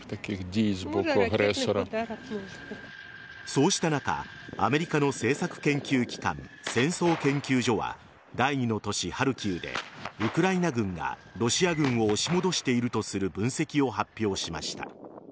そうした中アメリカの政策研究機関戦争研究所は第２の都市・ハルキウでウクライナ軍がロシア軍を押し戻しているとする分析を発表しました。